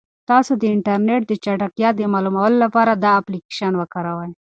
تاسو د انټرنیټ د چټکتیا د معلومولو لپاره دا اپلیکیشن وکاروئ.